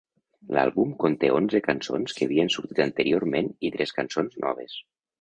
L'àlbum conté onze cançons que havien sortit anteriorment i tres cançons noves.